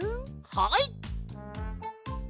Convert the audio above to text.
はい！